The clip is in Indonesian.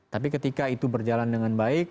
tapi ketika itu berjalan dengan baik